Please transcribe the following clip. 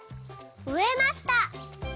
「うえました」。